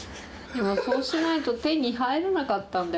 でもそうしないと手に入らなかったんだよ